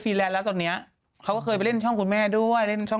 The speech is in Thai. แลนด์แล้วตอนเนี้ยเขาก็เคยไปเล่นช่องคุณแม่ด้วยเล่นช่อง